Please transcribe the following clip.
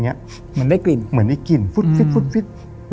อย่างนี้เหมือนได้กลิ่นฟุต